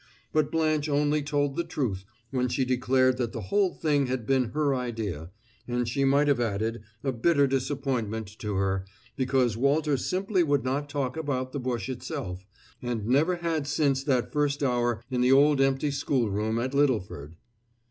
But Blanche only told the truth when she declared that the whole thing had been her idea; and she might have added, a bitter disappointment to her, because Walter simply would not talk about the bush itself, and never had since that first hour in the old empty schoolroom at Littleford.